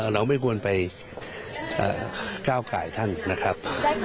เราไม่ควรไปก้าวไก่ท่านนะครับ